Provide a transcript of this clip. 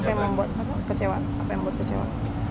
apa yang membuat kecewa